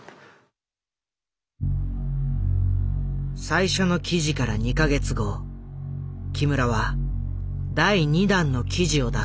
最初の記事から２か月後木村は第２弾の記事を出す。